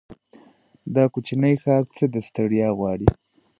دا کوچينی ښار څه ستړيا غواړي.